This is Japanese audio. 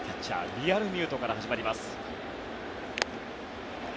リアルミュートから始まります。